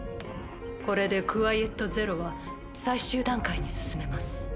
これでクワイエット・ゼロは最終段階に進めます。